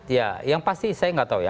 ya yang pasti saya nggak tahu ya